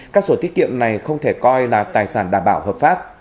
các sổ tiết kiệm này không thể coi là tài sản đảm bảo hợp pháp